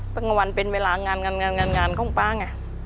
ตั้งวันเป็นเวลางานของป๊าไง